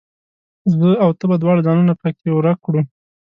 زه او ته به دواړه ځانونه پکښې ورک کړو